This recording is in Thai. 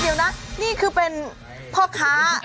เดี๋ยวนะนี่คือเป็นพ่อค้า